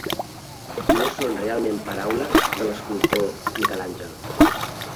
No són realment paraules de l'escultor Miquel Àngel.